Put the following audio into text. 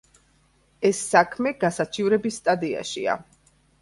ეს საქმე გასაჩივრების სტადიაშია.